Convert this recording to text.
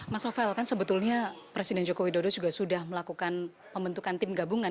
mas novel kan sebetulnya presiden joko widodo juga sudah melakukan pembentukan tim gabungan